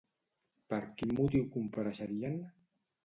Per quin motiu compareixerien?